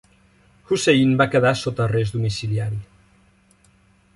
Hussein va quedar sota arrest domiciliari.